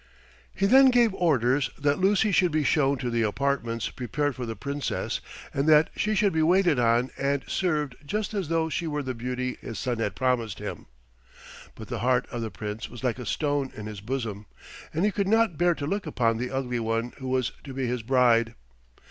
He then gave orders that Lucy should be shown to the apartments prepared for the Princess and that she should be waited on and served just as though she were the beauty his son had promised him. But the heart of the Prince was like a stone in his bosom, and he could not bear to look upon the ugly one who was to be his bride.